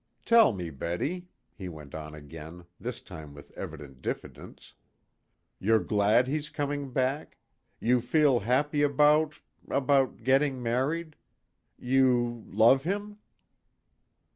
"Tell me, Betty," he went on again, this time with evident diffidence: "you're glad he's coming back? You feel happy about about getting married? You love him?"